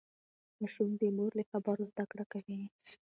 ماشوم د مور له خبرو زده کړه کوي.